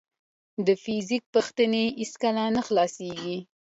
د فزیک پوښتنې هیڅکله نه خلاصېږي.